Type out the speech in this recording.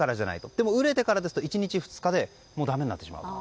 でも熟れてからですと１日２日でダメになってしまう。